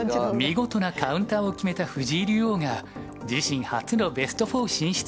見事なカウンターを決めた藤井竜王が自身初のベスト４進出を決めました。